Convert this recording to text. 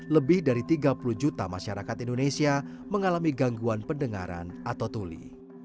lebih dari tiga puluh juta masyarakat indonesia mengalami gangguan pendengaran atau tuli